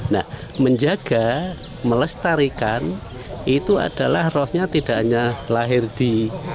nah menjaga melestarikan itu adalah rohnya tidak hanya lahir di